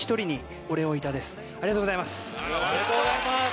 ありがとうございます！